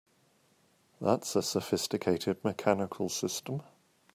That's a sophisticated mechanical system!